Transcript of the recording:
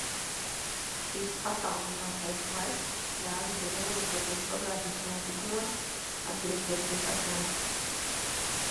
Šis attālinātais laiks ļāvis ir ielūkoties pagātnes notikumos, atgriezties pie saknēm.